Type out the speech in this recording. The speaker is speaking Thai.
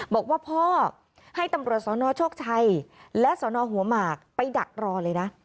บอกว่าพ่อให้ตำรวจสนโชคชัยและสนหัวหมากไปดักรอเลยนะ